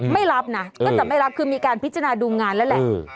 ไม่รับนะก็จะไม่รับคือมีการพิจารณาดูงานแล้วแหละ